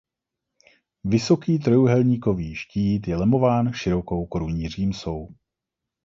Vysoký trojúhelníkový štít je lemován širokou korunní římsou.